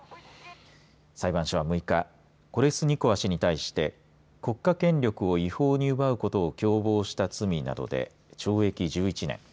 裁判所は６日コレスニコワ氏に対して国家権力を違法に奪うことを共謀した罪などで懲役１１年。